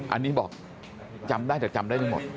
อันนี้บอกจำได้แต่จำได้ไม่หมด